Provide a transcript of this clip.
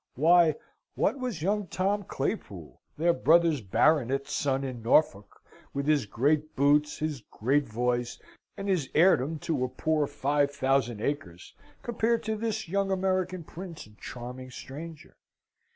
Why, what was young Tom Claypool, their brother baronet's son in Norfolk with his great boots, his great voice, and his heirdom to a poor five thousand acres, compared to this young American prince and charming stranger?